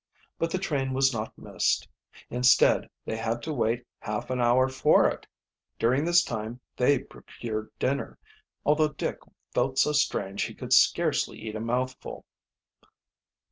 But the train was not missed; instead, they had to wait half an hour for it. During this time they procured dinner, although Dick felt so strange he could scarcely eat a mouthful.